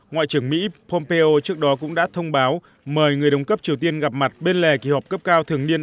ngoại trưởng mỹ pompeo trước đó cũng đã thông báo mời người đồng cấp triều tiên gặp mặt bên lề kỳ họp cấp cao thường niên